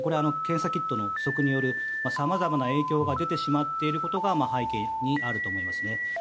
検査キットの不足によるさまざまな影響が出ていることが背景にあると思います。